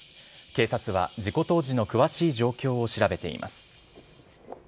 警察は事故当時の詳しい状況を調べています。